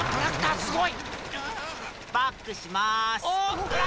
・すごい！